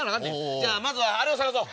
じゃあまずはあれを探そう。